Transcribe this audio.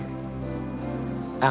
bisnis kang bahar